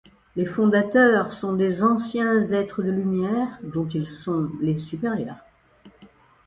Les fondateurs sont des anciens êtres de lumière, dont ils sont les supérieurs.